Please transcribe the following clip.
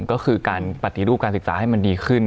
ก็คือการปฏิรูปการศึกษาให้มันดีขึ้น